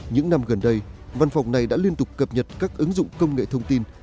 những năm gần đây văn phòng này đã liên tục cập nhật các ứng dụng công nghệ thông tin